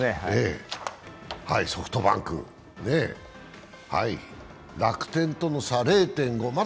ソフトバンク、楽天との差が０．５差。